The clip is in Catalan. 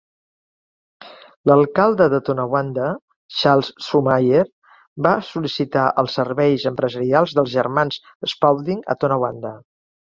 L'alcalde de Tonawanda, Charles Zuckmaier, va sol·licitar els serveis empresarial dels germans Spaulding a Tonawanda.